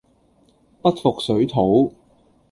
不服水土